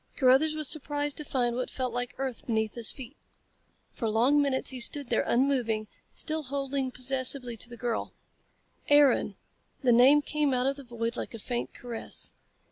Carruthers was surprised to find what felt like earth beneath his feet. For long minutes he stood there, unmoving, still holding possessively to the girl. "Aaron!" The name came out of the void like a faint caress.